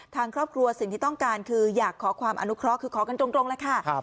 ทางครอบครัวสิ่งที่ต้องการคืออยากขอความอนุเคราะห์คือขอกันตรงแล้วค่ะ